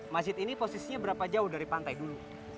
masjid ini posisinya berapa jauh dari pantai dulu